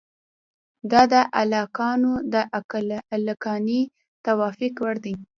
دا د عاقلانو د عقلاني توافق وړ دي.